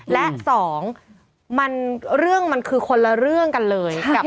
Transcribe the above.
และสองเรื่องมันคือคนละเรื่องกันเลยกับ